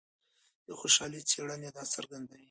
د خوشحالۍ څېړنې دا څرګندوي.